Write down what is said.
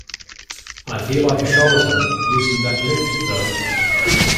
I feel like a charlatan using that lift though.